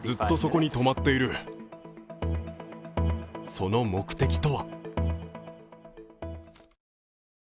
その目的とは？